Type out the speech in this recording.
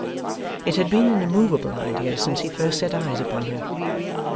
It had been an immoveable idea since he first set eyes upon her.